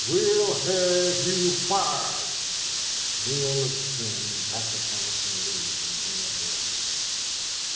"We'll have you fired!" he shouted. Neale looked at him and back at Allison Lee and then at Warburton.